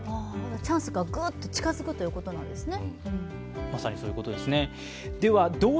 チャンスがグッと近づくということなんですね。